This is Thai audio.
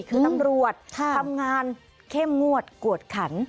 คือตำรวจทำงานเข้มงวดกวดขัน